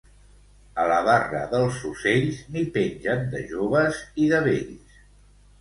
A la barra dels ocells n'hi pengen de joves i de vells.